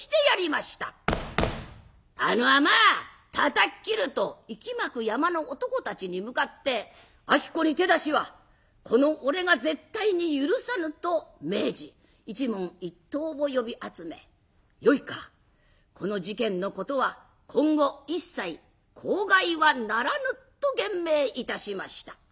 「あのあまたたっ切る！」といきまく山の男たちに向かって「子に手出しはこの俺が絶対に許さぬ」と命じ一門一党を呼び集め「よいかこの事件のことは今後一切口外はならぬ」と厳命いたしました。